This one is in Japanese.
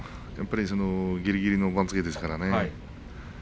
ぎりぎりの番付ですからね。